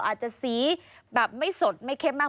อาจจะสีแบบไม่สดไม่เข้มมาก